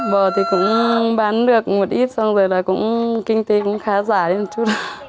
bò thì cũng bán được một ít xong rồi là kinh tế cũng khá giả đi một chút